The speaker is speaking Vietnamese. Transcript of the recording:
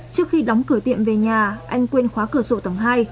trước khi đóng cửa tiệm về nhà anh quên khóa cửa sổ tầng hai